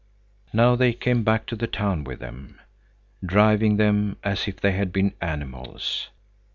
Now they came back to the town with them, driving them as if they had been animals.